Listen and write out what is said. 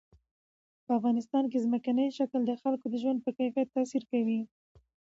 په افغانستان کې ځمکنی شکل د خلکو د ژوند په کیفیت تاثیر کوي.